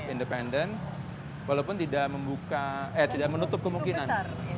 independen walaupun tidak membuka eh tidak menutup kemungkinan